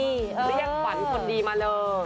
เรียกขวัญคนดีมาเลย